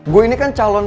gue ini kan calonnya